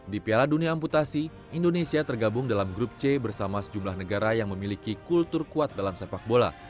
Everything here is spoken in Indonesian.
di piala dunia amputasi indonesia tergabung dalam grup c bersama sejumlah negara yang memiliki kultur kuat dalam sepak bola